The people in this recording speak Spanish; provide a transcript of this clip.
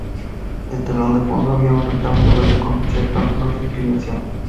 De telón de fondo, había un rectángulo verde con un cierto ángulo de inclinación.